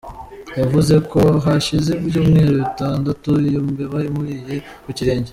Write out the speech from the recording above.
Yavuze ko hashize ibyumweru bitandatu iyo mbeba imuriye ku kirenge.